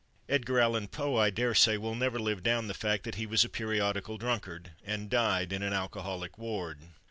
Edgar Allan Poe, I daresay, will never live down the fact that he was a periodical drunkard, and died in an alcoholic ward.